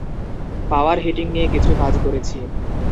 পাওয়ার hitting নিয়ে কিছু কাজ করেছি।